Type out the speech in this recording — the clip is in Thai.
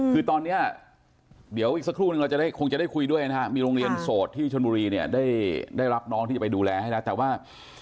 คุยกันยังไงคะถ้าคุณน้าคุยกับคุณแม่หรือว่าคุยกับหลาน